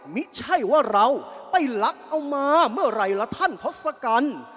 ไม่ใช่ว่าเราไปลักเอามาเมื่อไหร่ล่ะท่านทศกัณฐ์